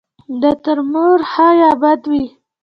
د تومور ښه یا بد وي.